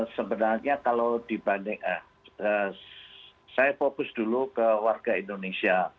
sebenarnya kalau dibanding saya fokus dulu ke warga indonesia